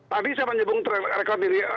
tadi saya menyembung track record ini